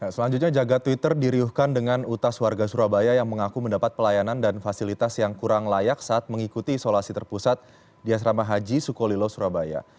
selanjutnya jaga twitter diriuhkan dengan utas warga surabaya yang mengaku mendapat pelayanan dan fasilitas yang kurang layak saat mengikuti isolasi terpusat di asrama haji sukolilo surabaya